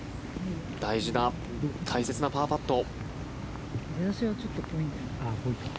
大事な、大切なパーパット。